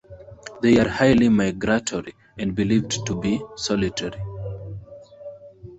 They are highly migratory and believed to be solitary.